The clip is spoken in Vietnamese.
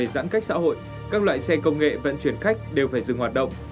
giãn cách xã hội các loại xe công nghệ vận chuyển khách đều phải dừng hoạt động